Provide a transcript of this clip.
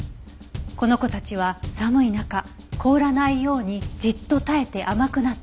「この子たちは寒い中凍らないようにじっと耐えて甘くなっていく」